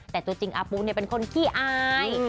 แต่ตัวจริงอาปูเป็นคนขี้อาย